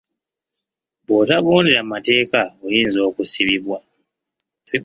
Bwotagondera mateeka oyinza okusibibwa.